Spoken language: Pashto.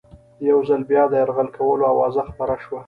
یو ځل بیا د یرغل کولو آوازه خپره شوه.